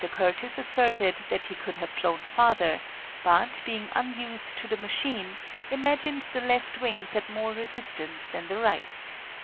Curtiss asserted that he could have flown farther, but, being unused to the machine, imagined the left wings had more resistance than the right.